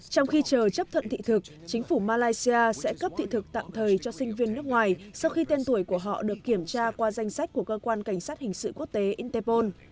trong khi chờ chấp thuận thị thực chính phủ malaysia sẽ cấp thị thực tạm thời cho sinh viên nước ngoài sau khi tên tuổi của họ được kiểm tra qua danh sách của cơ quan cảnh sát hình sự quốc tế interpol